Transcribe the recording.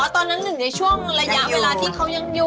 ตอนนั้นหนึ่งในช่วงระยะเวลาที่เขายังอยู่